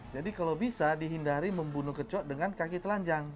jadi kalau bisa dihindari membunuh kecoak dengan kaki telanjang